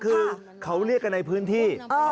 คือเขาเรียกกันในพื้นที่